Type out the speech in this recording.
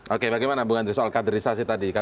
oke bagaimana bung andri soal kaderisasi tadi